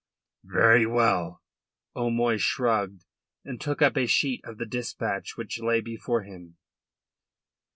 "Very well." O'Moy shrugged, and took up a sheet of the dispatch which lay before him.